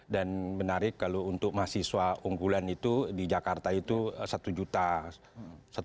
dan menarik kalau untuk mahasiswa unggulan itu di jakarta itu satu juta